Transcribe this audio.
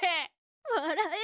わらえる！